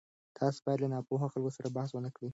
تاسو باید له ناپوهه خلکو سره بحث ونه کړئ.